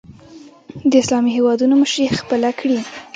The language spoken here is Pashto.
د اسلامي هېوادونو مشري خپله کړي